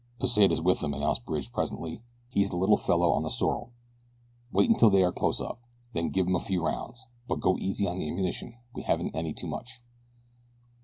"Pesita's with them," announced Bridge, presently. "He's the little fellow on the sorrel. Wait until they are close up, then give them a few rounds; but go easy on the ammunition we haven't any too much."